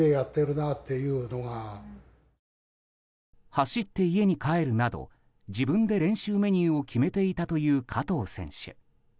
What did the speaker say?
走って家に帰るなど自分で練習メニューを決めていたという加藤選手。